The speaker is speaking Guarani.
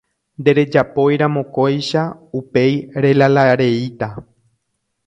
Nderejapóiramo kóicha upéi relalareíta.